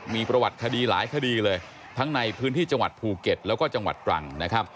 มีประวัติคดีหลายคดีเลยทั้งในพื้นที่จภูเก็ตแล้วก็จตรัง